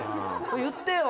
言ってよ。